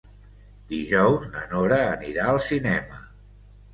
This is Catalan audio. Dijous na Nora anirà al cinema.